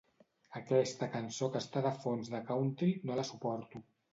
Aquesta cançó que està de fons de country no la suporto.